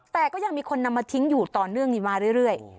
แต่ก็ยังมีคนนำมาทิ้งอยู่ต่อเนื่องมาเรื่อย